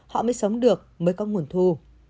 họ mới sống được mới có nguồn thu